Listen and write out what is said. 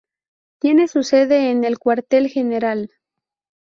Tiene su sede en el cuartel general.